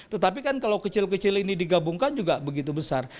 tetapi kan kalau kecil kecil ini digabungkan juga begitu besar